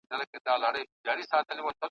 پر کیسو یې ساندي اوري د پېړیو جنازې دي `